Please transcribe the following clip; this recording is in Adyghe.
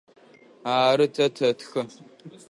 Ары, тэ тэтхэ.